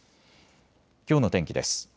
きょうの天気です。